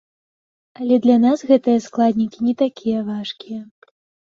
Але для нас гэтыя складнікі не такія важкія.